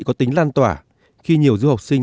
có tính lan tỏa khi nhiều du học sinh